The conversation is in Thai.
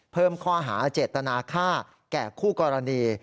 เพิ่มข้อหาเจตนาค่าแก่คู่กรณี